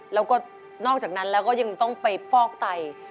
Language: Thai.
แล้วก็นอกจากนั้นแล้วก็ยังต้องไปฟอกไต